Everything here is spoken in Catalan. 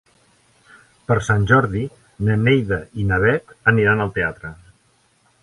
Per Sant Jordi na Neida i na Bet aniran al teatre.